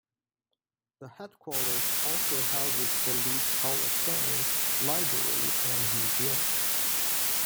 The headquarters also houses the League's Hall of Fame, library and museum.